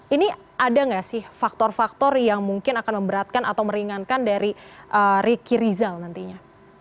ini ada nggak sih faktor faktor yang mungkin akan memberatkan atau meringankan dari ricky rizal nantinya